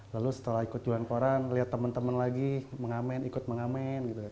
lalu setelah ikut jualan koran lihat teman teman lagi mengamen ikut mengamen